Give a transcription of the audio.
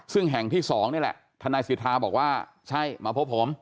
ซึ่งแห่งที่๒นี่แหละทนายสิทธาบอกว่าใช่มาพบผม